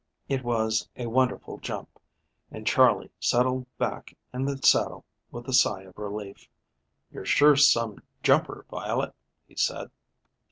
It was a wonderful jump, and Charley settled back in the saddle with a sigh of relief. "You're sure some jumper, Violet," he said.